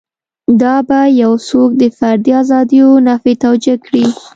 دا به یو څوک د فردي ازادیو نفي توجیه کړي.